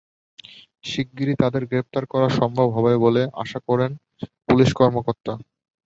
শিগগিরই তাদের গ্রেপ্তার করা সম্ভব হবে বলে আশা প্রকাশ করেন পুলিশ কর্মকর্তা।